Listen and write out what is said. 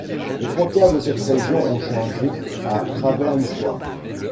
Les frontières de cette région ont changé à travers l'histoire.